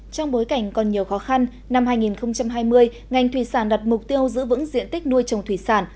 trong bối cảnh còn nhiều khó khăn năm hai nghìn hai mươi ngành thủy sản đặt mục tiêu giữ vững diện tích nuôi trồng thủy sản